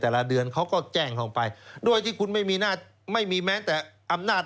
แต่ละเดือนเขาก็แจ้งลงไปด้วยที่คุณไม่มีแม้แต่อำนาจ